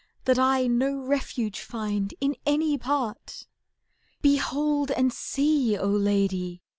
That I no refuge find in any part ? Behold and see, O Lady